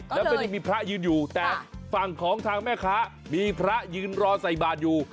แล้วไม่ได้มีพระยืนอยู่แต่ฝั่งของทางแม่ค้ามีพระยืนรอใส่บาทอยู่